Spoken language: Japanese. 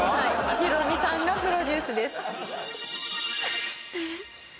ヒロミさんのプロデュースです。